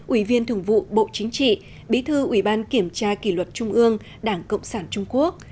ủy viên thường vụ bộ chính trị bí thư ủy ban kiểm tra kỷ luật trung ương đảng cộng sản trung quốc